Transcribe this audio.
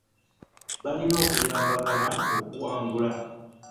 Balina okuyambagana okuwangula.